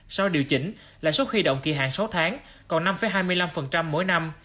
sau điều chỉnh lãi suất huy động kỳ hạn sáu tháng còn năm hai mươi năm mỗi năm